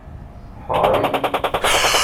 Ḥay!